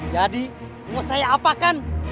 jadi mau saya apakan